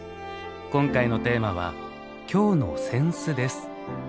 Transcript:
今回のテーマは「京の扇子」です。